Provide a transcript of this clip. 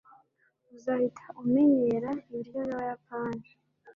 uzahita umenyera ibiryo byabayapani